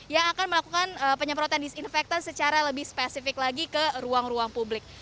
yang akan melakukan penyemprotan disinfektan secara lebih spesifik lagi ke ruang ruang publik